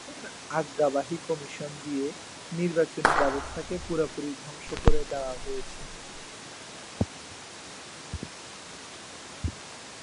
সরকারের আজ্ঞাবাহী কমিশন দিয়ে নির্বাচনী ব্যবস্থাকে পুরোপুরি ধ্বংস করে দেওয়া হয়েছে।